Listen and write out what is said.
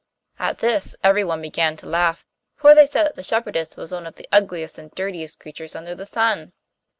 At this everyone began to laugh, for they said that the shepherdess was one of the ugliest and dirtiest creatures under the sun.